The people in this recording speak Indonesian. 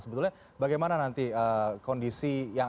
sebetulnya bagaimana nanti kondisi yang